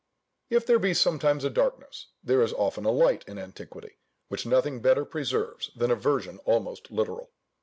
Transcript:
If there be sometimes a darkness, there is often a light in antiquity, which nothing better preserves than a version almost literal.